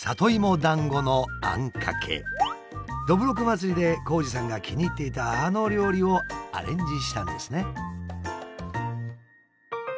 どぶろく祭りで紘二さんが気に入っていたあの料理をアレンジしたんですね。